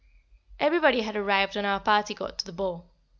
Everybody had arrived when our party got to the ball.